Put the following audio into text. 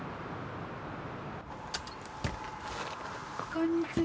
こんにちは。